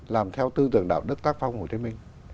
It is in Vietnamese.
làm theo tư tưởng đạo đức tác phong hồ chí minh